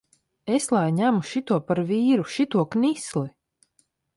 Es lai ņemu šito par vīru, šito knisli!